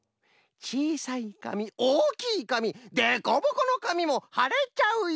「ちいさいかみおおきいかみでこぼこのかみもはれちゃうよ」。